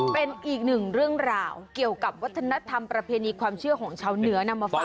เป็นอีกหนึ่งเรื่องราวเกี่ยวกับวัฒนธรรมประเพณีความเชื่อของชาวเหนือนำมาฝาก